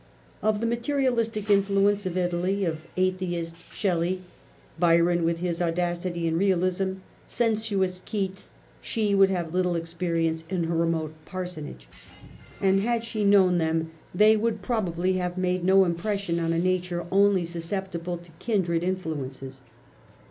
Of the materialistic influence of Italy, of atheist Shelley, Byron with his audacity and realism, sensuous Keats, she would have little experience in her remote parsonage. And, had she known them, they would probably have made no impres sion on a nature only susceptible to kindred influ ences.